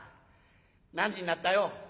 何時になったよ？」。